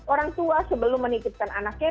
orang tua sebelum menitipkan anaknya